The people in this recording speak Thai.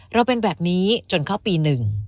เราเป็นแบบนี้จนเข้าปี๑